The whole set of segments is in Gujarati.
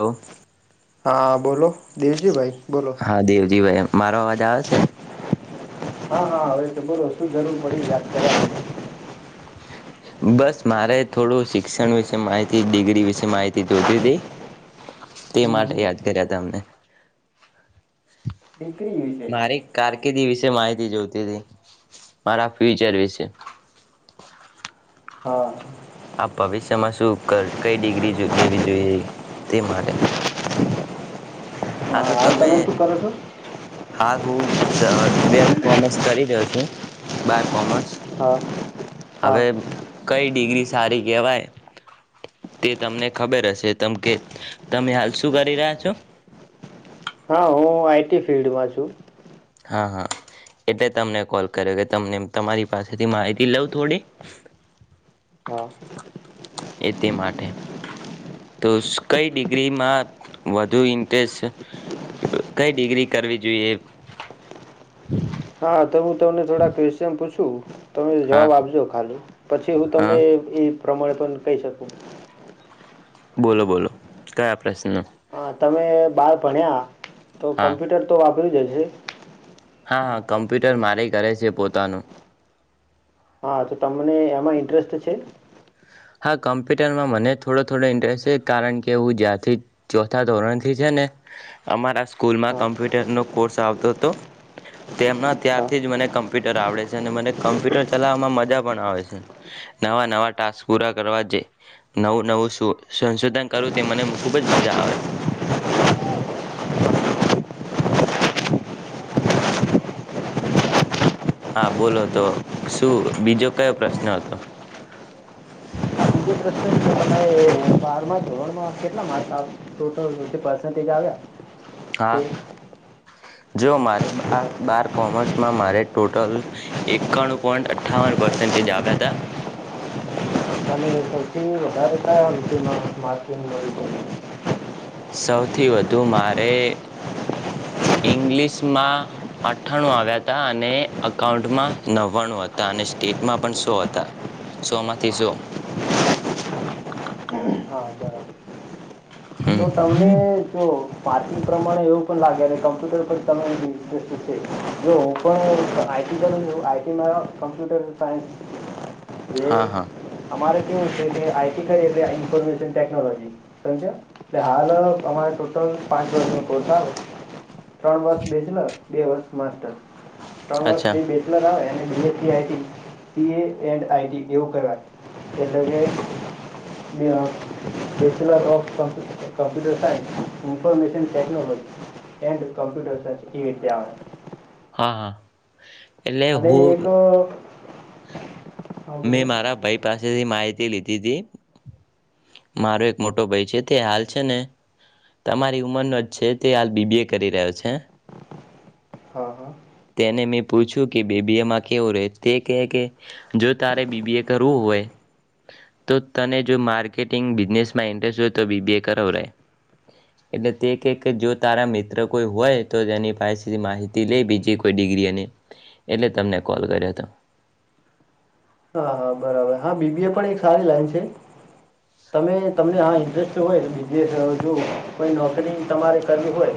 હલો હા બોલો દેવજીભાઈ બોલો. હા દેવજી ભાઈ મારો અવાજ આવે છે. હા હા હવે તો બોલો શું જરૂર પડીત કર બસ મારે થોડું શિક્ષણ વિશે માહિતી ડિગ્રી વિશે માહિતી જોતી હતી. તે હમ માટે હમ યાદ કર્યા ત અમને દીકરી વિશે મારી કારકિર્દી વિશે માહિતી જોય થી મારા ફ્યુચર વિશે હા આ ભવિષ્યમાં શું કઈ ડિગ્રી લેવી જોઈએ તે માટે હા તો હાલ તમે શું કરો છો? હા હુંવેથ કોમર્સ કરી રહ્યો છો બાર કોમર્સ હા હા હવે કઈ ડિગ્રી સારી કહેવાય તે તમને ખબર હશે તમ કે તમે હાલ શું કરી રહ્યા છો હા હું આઈટી ફિલ્ડમાં છું હા હા એટલે તમને કોલ કર્યો કે તમને તમારી પાસેથી માહિતી લઉં થોડી હા એ તે માટે તો કઈ ડિગ્રીમાં વધુ ઇન્ટરેસ્ટ કઈ ડિગ્રી કરવી જોઈએ હા તો હું તમને થોડાક કચયન પૂછું તમે હા જવાબ આપજો ખાલી પછી હું હા તમને એ પ્રમાણે પણ કહી શકું બોલો બોલો કઈ પ્રશ્ન હ તમે બાળ ભણ્યા તો હા કમ્પ્યુટર તો આપ પ જાય છે હા હા કમ્પ્યુટર માં કરે છે પોતાનું હા તો તમને એમાં ઇન્ટરેસ્ટ છે હા કોમ્પ્યુટરમાં મને થોડો થોડો ઇન્ટરેસ્ટ છે કારણ કે હું જંથી ચોથા ધોરણથી છે ને અમારા સ્કૂલમાં હા કમ્પ્યુટરનું કોર્ આવતો હતો તેમના હા ત્યારથી જ મને કમ્પ્યુટર આવડે છે અને મને કમ્પ્યુટર ચલાવવામાં મજા પણ આવે છે નવા નવા ટાસ્ક પૂરા કરવા જઈ નવું નવું સંશોધન કરવું તે મને ખૂબ જ મજા આવે હા બોલો તો શું બીજો કયો પ્રશ્ન હતો બાર ધોરણમાં કેટલા માર્સ આવે ટટલ પરસજ આવ્યા હા જો મારે બાર કોમર્સમાં મારે ટોટલ એકાણ પોઈન્ટ અઠ્ઠાવનેજ આવ્યા હતા તે [inaudible] [inaudible] સૌથી વધુ મારે ઈંગ્લિશમાં અઠાણું આવ્યા હતા અને અકાઉન્ટમાં નવ્વાણું હતા અને સ્ટેટમાં પણ સો હતા સો માંથી સો હા બરાબર હમ તો તમને જો પાર્ટી પ્રમાણે એવું પણ લાગે અને કમ્પ્યુટર પર તમે બધું ઇન્ટરેસ્ટ છે જો હું પણ આઈટી પર છું આઈટીમાં કમ્પ્યુટર સાયન્સ હા હા [inaudible] આઈટી ખ ઇન્ફોર્મેશન ટેકનોલોજી સમજ એટલે હાલ અમારે ટોટલ પાંચ વણને પહોંચાડ ત્રણ વર્ષ બેજન બે વર્ષ માસ્ટર. તણ વર્ષ અચ્છા જે બેચલર આવે એ એ A C I T, P A and I T એવું કહેવાય, એટલે કે, બે bachelor of computer computer science, information technology and computer science એવી રીતે આવે. હા હા. એટલે અને, એ હું તો [inaudible] મેં મારા ભાઈ પાસેથી માહિતી લી ધી. મારો એક મોટો ભઈ છે, તે હાલ છે ને, તમારી ઉંમરનો જ છે, તે હાલ બી બી એ કરી રહ્યો છે. હા હા. તેને મે પૂયછું કે બી બી એ માં કેવું રહે? તે કહે કે, જો તારે બી બી એ કરવું હોય, તો તને જો માર્કેટિંગ બિજનેસમાં ઈન્ટરેસ્ટ હોય તો બી બી એ કરવુ રેય. એટલે તે કે કે, જો તારા મિત્ર કોઈ હોય, તો તેની પાસેથી માહિતી લે, બીજી કોઈ ડિગ્રી એની, એટલે તમને કોલ કર્યો હતો. હા હા, બરાબર. હા બી બી એ પણ એક સારી લાઈન છે. તમે તમને આ ઇન્ટરેસ્ટ હોય જેે થાય એ જોવો, કોઈ નોકરી તમારે કરવી હોય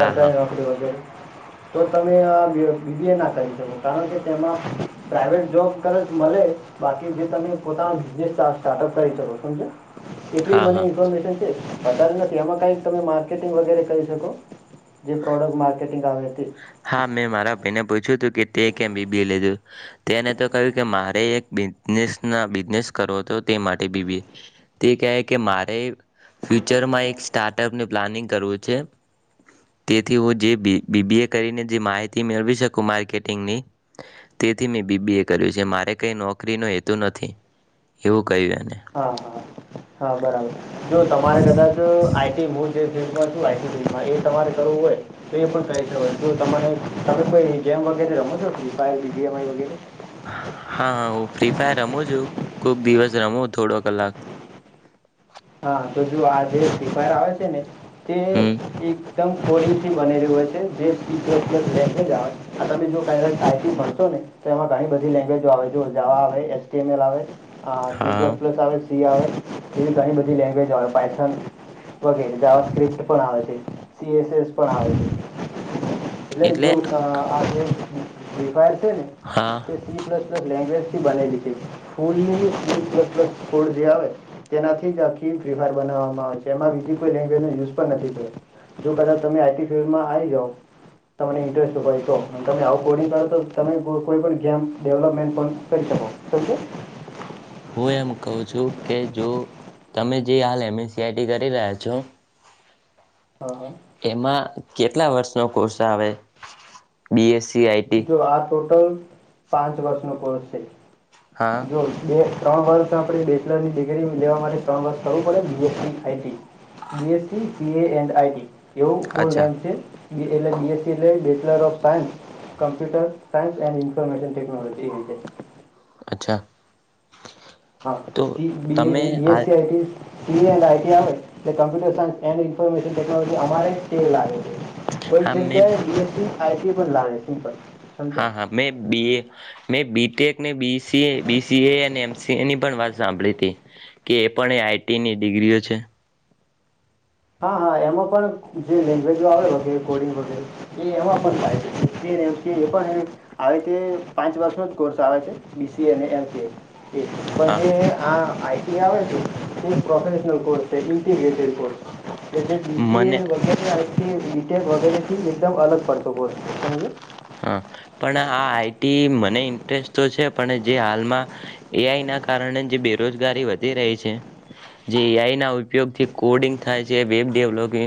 હા હા નોકરી વગેર તો તમે આ બી બી બી એ ના કરી શકો, કારણ કે તેમાં પ્રાઈવેટ જોબ ક મલે, બાકી જે તમે પોતાના બિજનેસ સ સ્ટાર્ટઅપ કરી જ શકો, સમજ્યા? એટલી હા મને હા ઇન્ફોર્મેશન છે. વધારે નથી, આમાં કંઈક તમે માર્કેટિંગ વગેરે કરી શકો, જે પ્રોડક્ટ માર્કેટિંગ આવે તે. હા, મેં મારા ભાઈને પૂછ્યું તું કે, તેં કેમ બી બી એ લીધેલું? તેને તો કહ્યું કે મારે એક બિઝનેસ ના બિઝનેસ કરવો તો, તે માટે બી બી એ. તે કહે કે મારે ફ્યુચરમાં એક સ્ટાર્ટઅપનું પ્લાનિંગ કરવું છે, તેથી હું જે બી બી બી એ કરીને જે માહિતી મેળવી સકું માર્કેટિંગની, તેથી મે બી બી એ કર્યું છે, મારે કઈ નોકરીનો હેતુ નથી. એવું કહ્યું એને હા, હા, હા બરાબર. જો તમારે કદાચ આઈ ટી મુ જે [inaudible] માં એ તમારે કરવું હોય, તો એ પણ કરી શકો છો. જો તમારે, તમે કોઈ ગેમ વગેરે રમો છો? Free Fire, B G M I વગેરે? હા, હ હું ફ્રી ફાયર રમું છું, કોઈક દિવસ રમું થોડો કલાક. હા, તો જુઓ, આ જે ફ્રી ફાયર આવે છે ને તે હમ એકદમ કોડિંગથી બનેલું હોય છે. જે, જે મેસેજ આવે છે, આ તમે જુઓ [unintelligible] ટાઈપિંગ કરશો ને, તો એમાં ઘણી બધી લેંગ્વેજો આવે, જો જાવા આવે, એચ ટી એમ એલ આવે. હા ટી પ્લસ પ્લસ આવે સી આવે, સી ઘણી બધી લેંગ્વેજો આવે, પાયથન વગેરે. જાવા સ્ક્રીપ્ટ પણ આવે છે. ઈ એસ એસ પણ આવે છે. એટલે જોવ, અ આ જે [unintelligible] છે ને, હા તે સી પ્લસ પ્લસ લેંગ્વેજ [unintelligible] બનાઈ દીધી. સ્કૂલની જી પ્લસ પ્લસ કોડ જે આવે તેનાથી જ આખીમ ફ્રી ફાયર બનાવવામાં આવે છે એમાં બીજી કોઈ લેંગ્વેજનો યુઝ પણ નથી થયો જો કદાચ તમે આઈટી ફિલ્ડમાં આવી જાઓ તમને ઇન્ટરેસ્ટ હોય તો તમે આવ કોડિંગ કરો તો તમે કોઈ પણ ગેમ ડેવલપમેન્ટ પણ કરી શકો છે. મેં એમ કહું છું કે જો તમે જે હાલ M S C I T કરી રહ્યા છો હા હા એમાં કેટલા વર્ષનો કોર્સ આવે બી એસ સી જો આ ટોટલ પાંચ વર્ષનો કોર્સ છે. હા જો બે ત્રણ વર્ષ આપણે બેચલરની ડિગ્રી લેવા માટે ત્રણ વર્ષ કરવું પડે B S C I T B S C P A and I T એવું ફુલ અચ્છા નેમ છે. બી એટલે બી એસ સી એટલે bachelor of science computer science and information technology એ રીતે અચ્છા હા તો બી તમે બી એસ આ C I T A and I T આવે એ computer science and information technology અમારે જ તે લાગે કોઈ હા મેં જગ્યાએ બી એસ સી આયસી પણ લાગે છે પણ હા હા મેં બી એ મેં B tech B C B C A અને એમ સી એ ની પણ વાત સાંભળી હતી કે એ પણ એ આઈ ટી ની ડિગ્રીઓ છે. હા હા એમાં પણ જે લેંગ્વેજો આવે વગેરે કોડિંગ વગેરે એ એમાં પણ થાય છે પાંચ વર્ષનો કોર્સ આવે છે બી સી એ ને એમ સી એ એ હા પણ એ આ આઈ ટી આવે છે તે પ્રોફેશનલ કોર્સ છે ઇન્ટીગ્રેટેડ કોર્સ એટલે બી સી એ મને વગેરે [unintelligible] થી બીટેક વગેરેથી એકદમ અલગ પડતો હોય હા આઈ ટી મને ઇન્ટરેસ્ટ તો છે પણ જે હાલમાં એ આઈના કારણે જે બેરોજગારી વધી રહી છે જે એ આઈ ના ઉપયોગથી કોડિંગ થાય છે વેબ ડેવલોપિંગ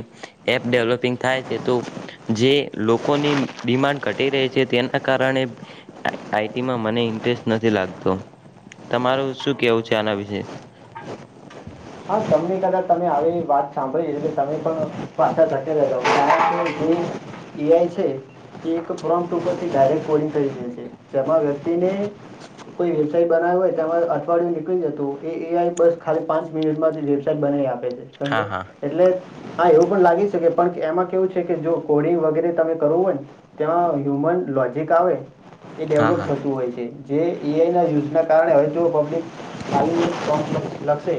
એપ ડેવલોપિંગ થાય છે તો જે લોકોની ડિમાન્ડ તેના કારણે આઈ ટીમાં મને ઇન્ટરેસ્ટ નથી લાગતો તમાર શું કેવું છે કહેવું આના ચાલે વિશે છે હા તમને કદાચ આવી વાત સાંભળી એટલે તમે પણ પાછા ધકે જતા જે એ આઈ છે એ એક પ્રોમ્પ્ટ ઉપરથી ડાયરેક્ટ કોડિંગ કરી દે છે જેમાં વ્યક્તિને કોઈ વેબસાઇટ બનાવવી હોય તેમાં અઠવાડિયું નીકળી જતું એ એ આઈ બસ ખાલી પાંચ મિનિટ માંથી બનાવી આપે છે. હા સમજો હા એટલે હા એવું પણ લાગી છે કે પણ એમાં કેવું છે કે જો કોડિંગ વગેરે તમે કરવું હોય ને ત્યાં હ્યુમન લોજ એક આવે એ હા ડેવલોપ હા થતું હોય છે. જે એ આઈના યુઝના કારણે હોય તે પબ્લિક લખશે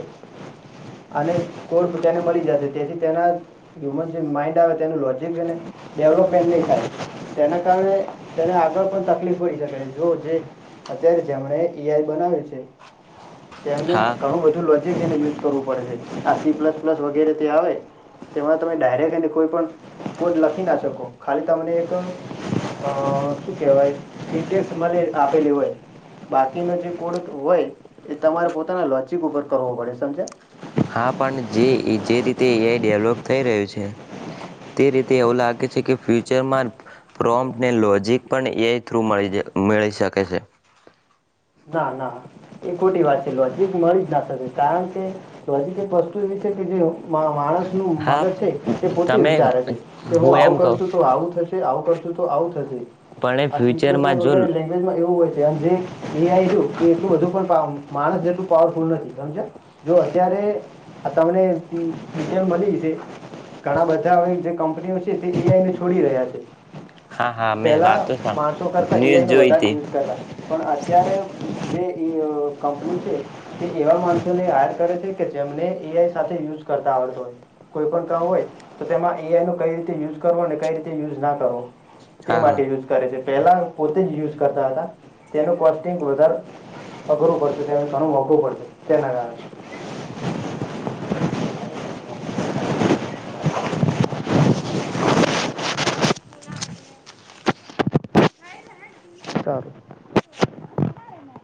અને કો તેને મળી જશે તેથી તેના હ્યુમન જે માઈન્ડ આવે તેનું લોજિકને. ડેવલોપમેન્ટ ન ખ. તેના કારણે તેને આગળ પણ તકલીફ પડી શકે જો જે અત્યારે જેમણે એઆઈ બનાવ્યું છે. ત હા ગણો વઠું લ. જેને છે. કરવું પડે છે આ સી પ્લસ પ્લસ વગેરે તે આવે તેમાં તમે ડાયરેક્ટ એને કોઈ પણ કોડ લખી ના શકો ખાલી તમને એક શું કહેવાય ઇડેક્સ મને આપેલી હોય બાકીનો જે કોડ હોય એ તમારે પોતાના લોચિક ઉપર કરવો પડે સમજા. હા પણ જે જે રીતે એઆઈ ડેવલોપ. થઈ રહ્યું છે તે રીતે એવું લાગે છે કે ફ્યુચરમાં પ્રોમ્પને લોજિક પણ એ થ્રુ મળી મળી શકે છે. ના ના એ ખોટી વાત છે નજીક મળી જ ના શકે કારણ કે નજીક એક વસ્તુ એવી છે કે જે માણસ. ું મગજ હા છે એ પોતે તમે વિચારે છે કે હું આવું એમ કહું કરશું તો આવું થશે આવું કરશું. તો આવું થ નથી. પણ એ આ ફ્યુચરમાં જો સનગરે લેંગ્વેજમાં એવું હોય છે. કે હંજી. અંું કે એલું બધું પણ માણસ એટલું પાવરફુલ નથી સમજ. જો અત્યારે. આ તમનેિટેલ મળી છે ઘણા બધા જે કંપનીઓ છે તે એઆઈને છોડી રહ્યા છે. હા હા મેં પેલા વાતો સા માણસો કરતા ન્યૂઝ એઆઈ નો જોઈ વધારે હતી યુઝ કર. પણ આજ. અ્યારે જે કંપની છે તે એવા માણસોને હાયર કરે છે કે જેમને એઆઈ સાથે યુઝ કરતા આવડતો હોય કોઈ પણ કામ હોય તો તેમાં એઆઈ નો કઈ રીતે યુઝ કરવો કઈ રીતે યુઝ ના કરવો. તે હા હા માટે યુઝ કરે છે. પહેલાં પોતે જ યુઝ કરતા હતા. તેને કો. બધર. અઘરોબર છે ત્યા. મોવું પડશે તેના કાર છે. ચાલું.